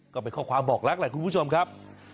ก็เป็นข้อความบอกรักแหละคุณผู้ชมครับ